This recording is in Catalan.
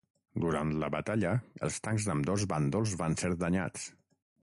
Durant la batalla els tancs d'ambdós bàndols van ser danyats.